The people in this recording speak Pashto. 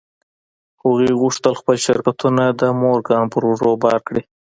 هغوی غوښتل خپل شرکتونه د مورګان پر اوږو بار کړي